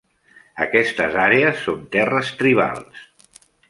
Aquestes àrees són terres "tribals".